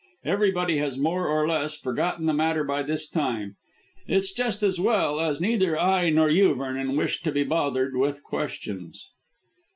Everybody has, more or less, forgotten the matter by this time. It's just as well, as neither I nor you, Vernon, wished to be bothered with questions."